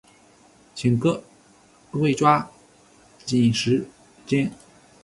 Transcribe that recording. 请各位抓紧时间。